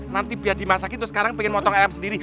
nanti biar dimasakin terus sekarang pengen motong ayam sendiri